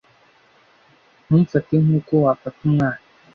Ntumfate nkuko wafata umwana.